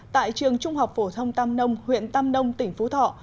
tại trường trung học phổ thông tam nông huyện tam nông tỉnh phú thọ